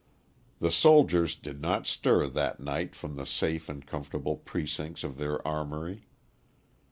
The soldiers did not stir that night from the safe and comfortable precincts of their armoury.